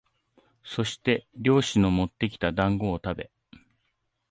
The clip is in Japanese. そして猟師のもってきた団子をたべ、